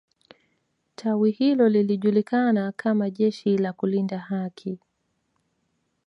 tawi hilo lilijulikana kama jeshi la kulinda haki